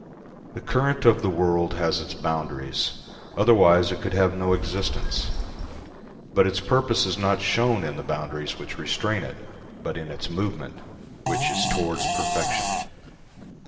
The current of the world has its boundaries, otherwise it could have no existence, but its purpose is not shown in the boundaries which restrain it, but in its movement, which is towards perfection.